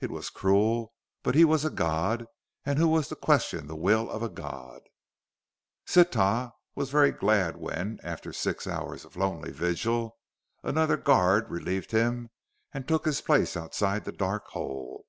It was cruel, but he was a god; and who was to question the will of a god? Sitah was very glad when, after six hours of lonely vigil, another guard relieved him and took his place outside the dark hole.